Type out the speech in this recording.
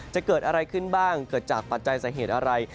จะเกิดอะไรขึ้นบ้างเกิดจากปัจจัยสาเหตุอะไร